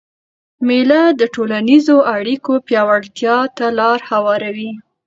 مېله د ټولنیزو اړیکو پیاوړتیا ته لاره هواروي.